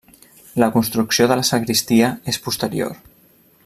La construcció de la sagristia és posterior.